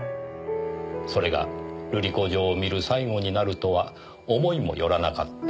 「それが瑠璃子嬢を見る最後になるとは思いもよらなかった」